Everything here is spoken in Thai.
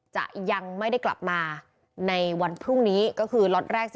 จะยังไม่ได้กลับมาในวันพรุ่งนี้ก็คือล็อตแรก